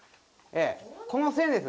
この線です。